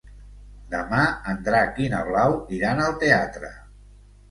Demà en Drac i na Blau iran al teatre.